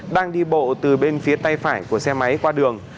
đang đi bộ từ bên phía tay phải của xe máy qua đường